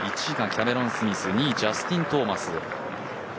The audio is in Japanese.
１位がキャメロン・スミス２位、ジャスティン・トーマス。